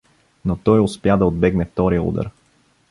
Но той успя да отбегне втория удар.